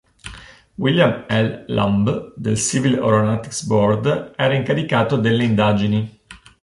William L. Lamb del Civil Aeronautics Board era incaricato delle indagini.